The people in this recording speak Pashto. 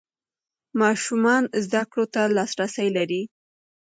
ماشومان زده کړو ته لاسرسی لري.